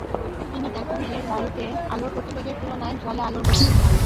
তিনি দেখান যে বায়ুতে আলোর গতিবেগের তুলনায় জলে আলোর গতিবেগ কম।